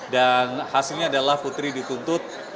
dan hasilnya adalah putri dituntut